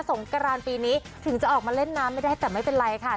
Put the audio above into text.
งกรานปีนี้ถึงจะออกมาเล่นน้ำไม่ได้แต่ไม่เป็นไรค่ะ